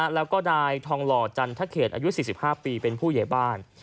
แล้วก็นายทองหล่อจันทเขตอายุ๔๕ปีเป็นผู้ใหญ่บ้าน